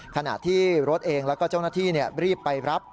ขณะที่รถเองแล้วก็เจ้าหน้าที่รีบไปรับ